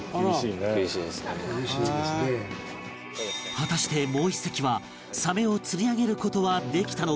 果たしてもう１隻はサメを釣り上げる事はできたのか？